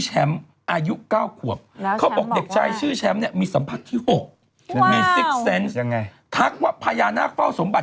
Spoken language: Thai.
ใช่ฮะเขาจะเล่าจอมปลวกพญานาค